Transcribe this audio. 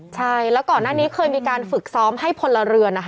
ใช่แล้วก่อนหน้านี้เคยมีการฝึกซ้อมให้พลเรือน